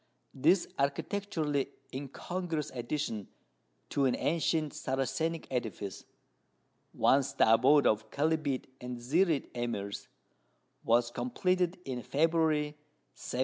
This architecturally incongruous addition to an ancient Saracenic edifice once the abode of Kelbite and Zirite Emirs was completed in February, 1791.